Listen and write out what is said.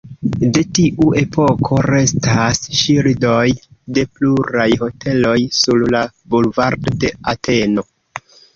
De tiu epoko restas ŝildoj de pluraj hoteloj sur la bulvardo de Ateno.